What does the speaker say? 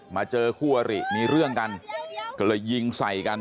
เจอคู่อริมีเรื่องกันก็เลยยิงใส่กัน